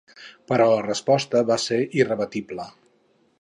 Però la resposta va ser irrebatible.